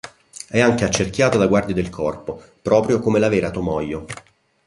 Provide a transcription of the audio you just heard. È anche accerchiata da guardie del corpo, proprio come la vera Tomoyo.